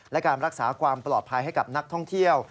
และการรักษาความปลอดภัยให้กับนักท่องเที่ยว